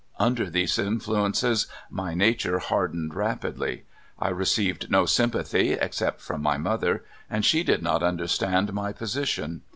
Under these influences my nature hard ened rapidly. I received no sympathy except from my mother, and she did not understand my posi tion.